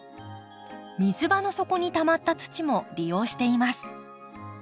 水場の底にたまった土も利用しています。